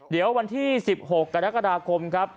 เดี๋ยววันที่๑๖กรกฎาคมครับ